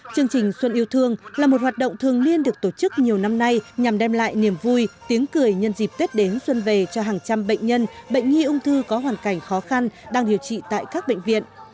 chương trình xuân yêu thương là một hoạt động thường niên được tổ chức nhiều năm nay nhằm đem lại niềm vui tiếng cười nhân dịp tết đến xuân về cho hàng trăm bệnh nhân bệnh nhi ung thư có hoàn cảnh khó khăn đang điều trị tại các bệnh viện